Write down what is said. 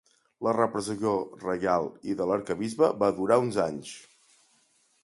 La repressió reial i de l'arquebisbe va durar uns anys.